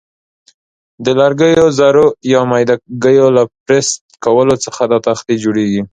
د لرګیو ذرو یا میده ګیو له پرس کولو څخه دا تختې جوړیږي.